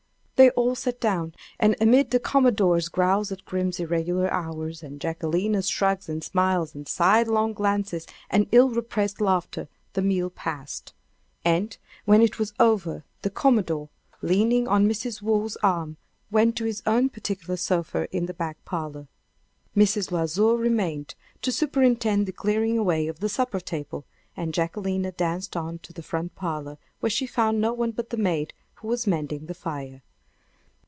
They all sat down, and amid the commodore's growls at Grim's irregular hours, and Jacquelina's shrugs and smiles and sidelong glances and ill repressed laughter, the meal passed. And when it was over, the commodore, leaning on Mrs. Waugh's arm, went to his own particular sofa in the back parlor; Mrs. L'Oiseau remained, to superintend the clearing away of the supper table; and Jacquelina danced on to the front parlor, where she found no one but the maid, who was mending the fire.